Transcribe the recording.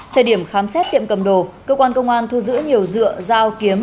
thời điểm khám xét tiệm cầm đồ cơ quan công an thu giữ nhiều dựa dao kiếm